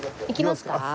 行きますか？